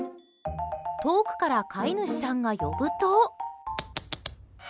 遠くから飼い主さんが呼ぶと。